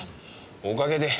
おかげで。